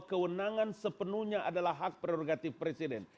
kewenangan sepenuhnya adalah hak prerogatif presiden